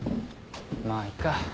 まあいっか。